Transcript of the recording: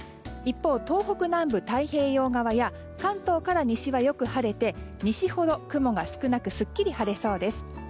一方、東北南部、太平洋側や関東から西はよく晴れて西ほど雲が少なくすっきり晴れそうです。